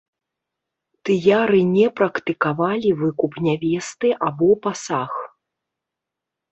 Тыяры не практыкавалі выкуп нявесты або пасаг.